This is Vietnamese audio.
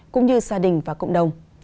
cũng như gia đình và cộng đồng